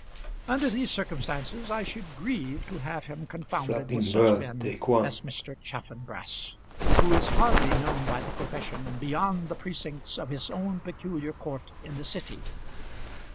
Under these circumstances I should grieve to have him confounded with such men as Mr. Chaffanbrass, who is hardly known by the profession beyond the precincts of his own peculiar court in the City.